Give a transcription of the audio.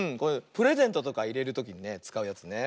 プレゼントとかいれるときにねつかうやつね